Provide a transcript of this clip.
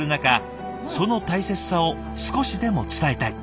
その大切さを少しでも伝えたい。